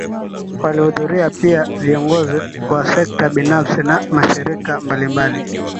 Walihudhuria pia viongozi wa sekta binafisi na Mashirika mbalimbali